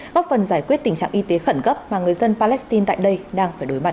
góp phần giải quyết tình trạng y tế khẩn cấp mà người dân palestine tại đây đang phải đối mặt